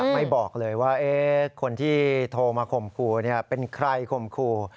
ไม่บอกเลยว่าคนที่โทรมาคมครูเป็นใครคมครู